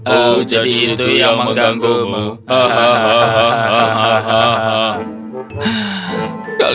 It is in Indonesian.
aku jadi itu yang menggambarkan